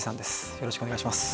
よろしくお願いします。